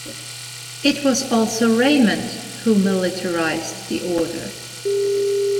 It was also Raymond who militarised the order.